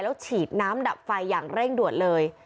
แล้วฉีดน้ำดับไฟอย่างเร่งด่วนเลย